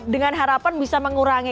dengan harapan bisa mengurangi